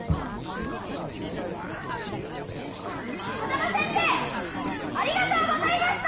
風間先生ありがとうございました！